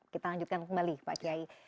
kita lanjutkan kembali pak kiai